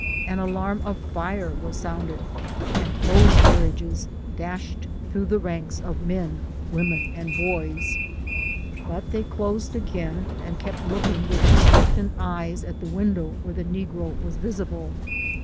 An alarm of fire was sounded, and hose carriages dashed through the ranks of men, women, and boys ; but they closed again, and kept looking with expectant eyes at the window where the negro was visible.